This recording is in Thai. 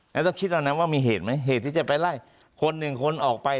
แล้วต้องคิดแล้วนะว่ามีเหตุไหมเหตุที่จะไปไล่คนหนึ่งคนออกไป